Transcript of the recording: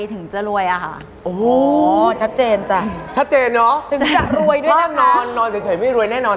ถึงจะรวยด้วยนะครับก็นอนนอนเฉยไม่รวยแน่นอน